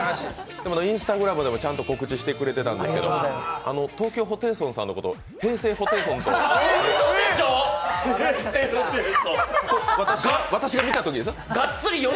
インスタグラムでもちゃんと告知してくれてたんですけど東京ホテイソンのことを平成ホテイソンと私が見たときですよ。